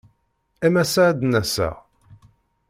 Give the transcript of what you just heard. Am ass-a ad n-aseɣ.